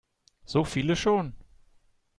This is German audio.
So viele schon?